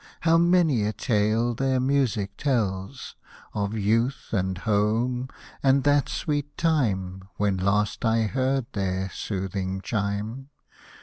How many a tale their music tells, Of youth, and home, and that sweet time, When last I heard their soothing chime.